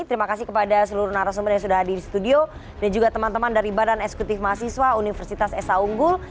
terima kasih kepada seluruh narasumber yang sudah hadir di studio dan juga teman teman dari badan eksekutif mahasiswa universitas esa unggul